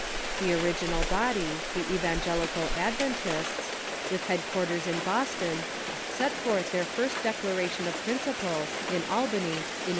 The original body, the Evangelical Adventists, with headquarters in Bos ton, set forth their first Declaration of Principles in Albanv in 1845.